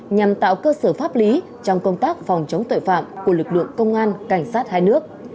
nhằm tạo cơ sở pháp lý trong công tác phòng chống tội phạm của lực lượng công an cảnh sát hai nước